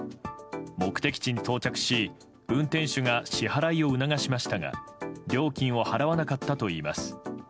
目的地に到着し運転手が支払いを促しましたが料金を払わなかったといいます。